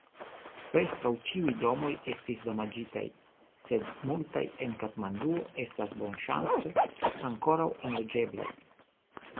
Preskaŭ ĉiuj domoj estis damaĝitaj, sed multaj en Katmanduo estas bonŝance ankoraŭ enloĝeblaj.